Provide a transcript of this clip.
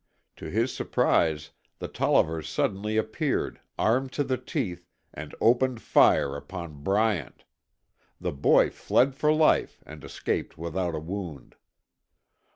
To his surprise, the Tollivers suddenly appeared, armed to the teeth, and opened fire upon Bryant. The boy fled for life and escaped without a wound.